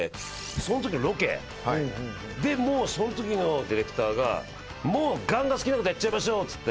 その時のロケでその時のディレクターがもうガンガン好きな事やっちゃいましょうっつって。